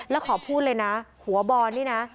แล้วขอพูดเลยนะหัวบอลนี่นะ